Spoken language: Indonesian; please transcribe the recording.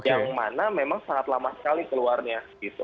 yang mana memang sangat lama sekali keluarnya